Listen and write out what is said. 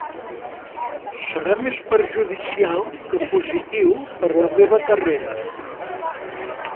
Serà més perjudicial que positiu per la meva carrera.